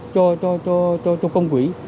cho công quỹ